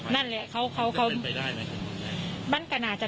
นั้นละเขาเขา